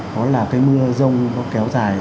đó là cái mưa rông nó kéo dài